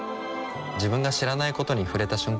自分が知らないことに触れた瞬間